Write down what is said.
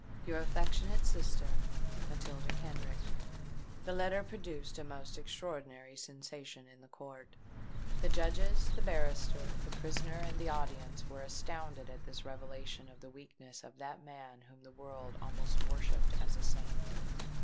"Your affectionate Sister, "MATILDA KENRICK." This letter produced a most extraordinary sensation in the court. The Judges, the barrister, the prisoner, and the audience were astounded at this revelation of the weakness of that man whom the world almost worshipped as a saint.